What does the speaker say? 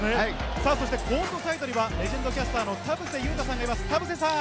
コートサイドにはレジェンドキャスターの田臥勇太さんがいます。